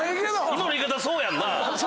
今の言い方はそうやんな。